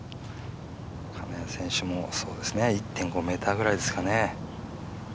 金谷選手も１．５ｍぐらいですかね。